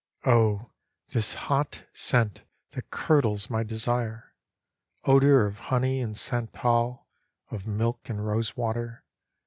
Oh, this hot scent that curdles my desire. Odour ot honey and santal, of milk and rose water.